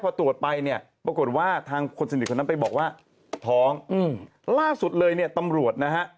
พอตรวจไปเนี่ยปรากฏว่าทางคนสนิทคนนั้นไปบอกว่าท้องล่าสุดเลยเนี่ยตำรวจนะฮะ